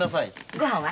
ごはんは？